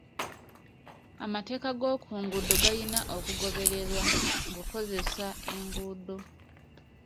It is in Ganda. Amateeka g'oku nguudo galina okugobererwa ng'okozesa enguudo.